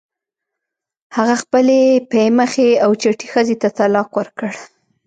هغه خپلې پی مخې او چټې ښځې ته طلاق ورکړ.